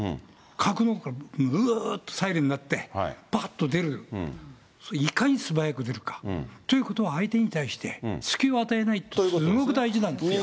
格納庫から、うーっとサイレン鳴って、ばっと出る、いかに素早く出るかということは、相手に対して、隙を与えないって、すごく大事なんですよ。